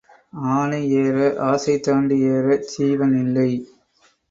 ஆனை ஏற ஆசை தாண்டி ஏறச் சீவன் இல்லை.